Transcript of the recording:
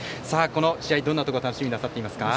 この試合、どんなところを楽しみにしていますか。